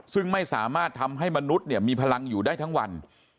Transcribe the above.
ซึ่งไม่สามารถทำให้มนุษย์เนี่ยมีพลังอยู่ได้ทั้งวัน